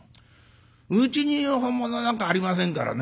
うちには本物なんかありませんからね。